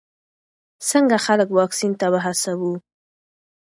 څنګه خلک واکسین ته وهڅوو؟